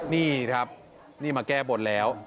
นี่ครับนี่มาแก้บนแล้ว